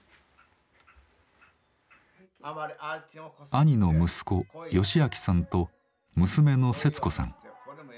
兄の息子良明さんと娘の節子さん。